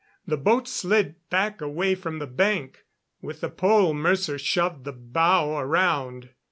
The boat slid back away from the bank; with the pole Mercer shoved the bow around.